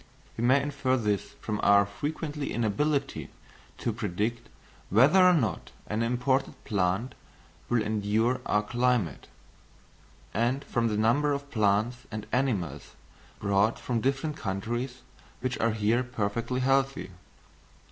We may infer this from our frequent inability to predict whether or not an imported plant will endure our climate, and from the number of plants and animals brought from different countries which are here perfectly healthy.